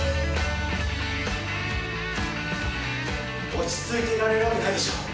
落ち着いていられるわけないでしょ。